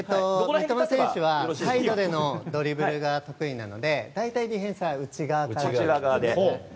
三笘選手はサイドでのドリブルが得意なので大体、ディフェンスは内側からですね。